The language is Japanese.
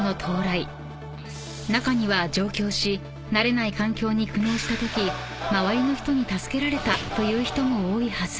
［中には上京し慣れない環境に苦悩したとき周りの人に助けられたという人も多いはず］